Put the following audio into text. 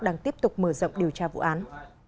đang tiếp tục mở rộng điều tra vụ án